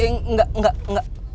enggak enggak enggak